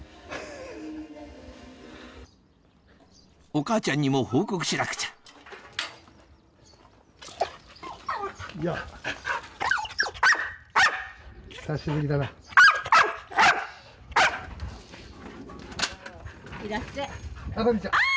お母ちゃんにも報告しなくちゃいらっしゃい。